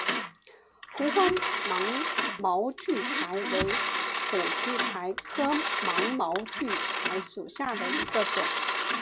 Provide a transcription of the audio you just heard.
红花芒毛苣苔为苦苣苔科芒毛苣苔属下的一个种。